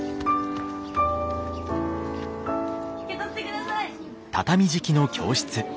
受け取ってください！